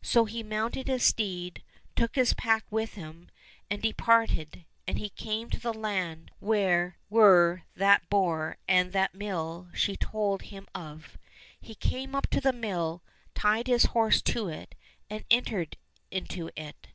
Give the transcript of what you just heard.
So he mounted his steed, took his pack with him, 70 LITTLE TSAR NOVISHNY and departed, and he came to the land where were that boar and that mill she had told him of. He came up to the mill, tied his horse to it, and entered into it.